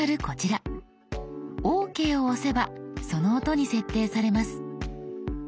「ＯＫ」を押せばその音に設定されます。